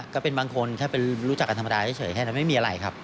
ก็เป็นบางคนแค่เป็นรู้จักกันธรรมดาเฉยแค่นั้นไม่มีอะไรครับ